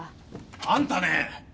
あんたねえ